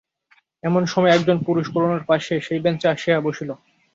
এমন সময়ে একজন পুরুষ করুণার পাশে সেই বেঞ্চে আসিয়া আসিয়া বসিল।